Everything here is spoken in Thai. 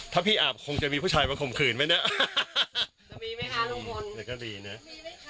ถ้าพี่อาบคงจะมีผู้ชายมาข่มขืนไหมนะจะมีไหมคะลุงพลมันก็ดีนะมีไหมคะ